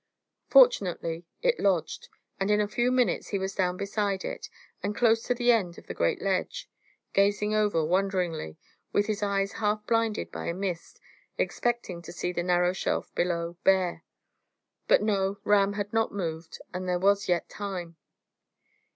Fortunately it lodged, and in a few minutes he was down beside it, and close at the end of the great ledge, gazing over wonderingly, and with his eyes half blinded by a mist, expecting to see the narrow shelf below bare. But no; Ram had not moved, and there was yet time.